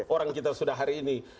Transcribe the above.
orang kita sudah hari ini